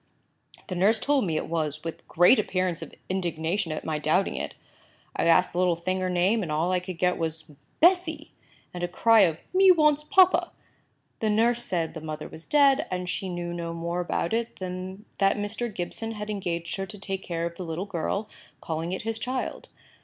"The nurse told me it was, with great appearance of indignation at my doubting it. I asked the little thing her name, and all I could get was 'Bessy!' and a cry of 'Me wants papa!' The nurse said the mother was dead, and she knew no more about it than that Mr. Gibson had engaged her to take care of the little girl, calling it his child.